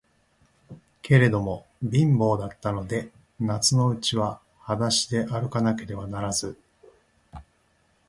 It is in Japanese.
けれども、貧乏だったので、夏のうちははだしであるかなければならず、